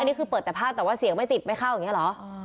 อันนี้คือเปิดแต่ภาพแต่ว่าเสียงไม่ติดไม่เข้าอย่างนี้เหรอ